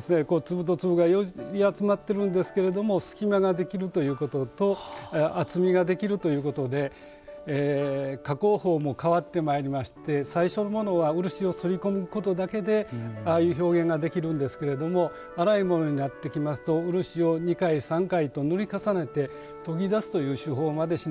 粒と粒が寄り集まってるんですけれども隙間ができるということと厚みができるということで加工法も変わってまいりまして最初のものは漆を擦り込むことだけでああいう表現ができるんですけれども粗いものになってきますと漆を２回３回と塗り重ねて研ぎ出すという手法までしなければなりません。